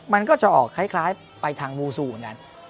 มันก็จะออกคล้ายไปทางมูซูเหมือนกัน